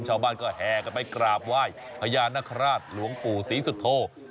ชาวบ้านก็แห่กันไปกราบไหว้พญานาคาราชหลวงปู่ศรีสุโธ